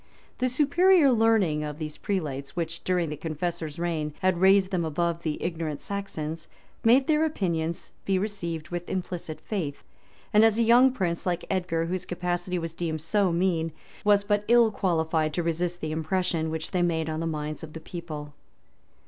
The superior learning of those prelates, which, during the Confessor's reign, had raised them above the ignorant Saxons, made their opinions be received with implicit faith; and a young prince; like Edgar, whose capacity was deemed so mean, was but ill qualified to resist the impression which they made on the minds of the people.